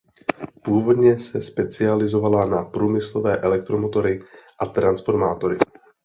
Původně se specializovala na průmyslové elektromotory a transformátory.